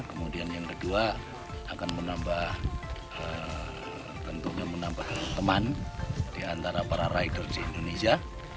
kemudian yang kedua akan menambah tentunya menambah teman di antara para rider di indonesia